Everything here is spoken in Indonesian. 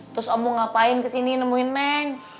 terus om mau ngapain ke sini nemuin neng